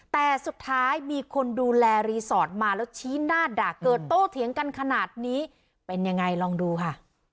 แต่สุดท้ายมีคนดูแลรีสอร์ทมาแล้วชี้หน้าด่าเกิดโต้เถียงกันขนาดนี้เป็นยังไงลองดูค่ะ